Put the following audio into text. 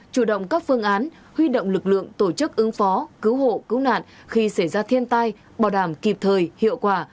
chủ động các phương án huy động lực lượng tổ chức ứng phó cứu hộ cứu nạn khi xảy ra thiên tai bảo đảm kịp thời hiệu quả